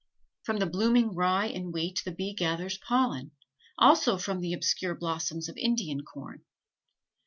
From the blooming rye and wheat the bee gathers pollen, also from the obscure blossoms of Indian corn.